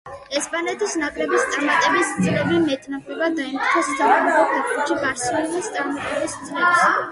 ესპანეთის ნაკრების წარმატების წლები მეტ-ნაკლებად დაემთხვა საკლუბო ფეხბურთში „ბარსელონას“ წარმატების წლებს.